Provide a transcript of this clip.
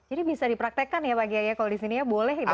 jadi bisa dipraktekkan ya pak gia gia kalau di sini ya boleh dong